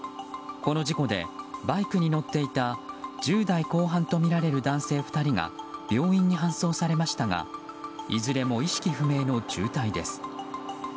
この事故で、バイクに乗っていた１０代後半とみられる男性２人が病院に搬送されましたがいずれも意識不明の重体です。